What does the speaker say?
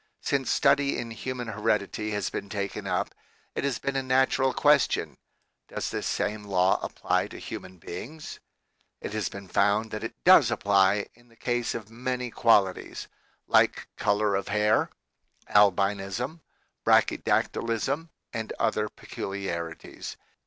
Since study in human heredity has been taken up, it has been a natural question, Does this same law apply to human beings ? It has been found that it does apply in the case of many qualities, like color of hair, albinism, brachydactylism, and other peculiarities.